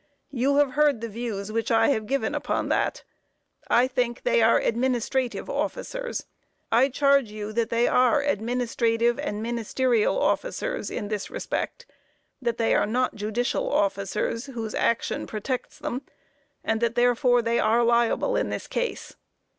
You have heard the views which I have given upon that. I think they are administrative officers. I charge you that they are administrative and ministerial officers in this respect, that they are not judicial officers whose action protects them, and that therefore they are liable in this case.